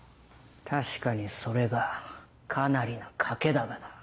確かにそれがかなりの賭けだがな。